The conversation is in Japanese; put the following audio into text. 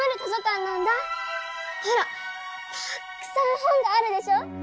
ほらたくさん本があるでしょ？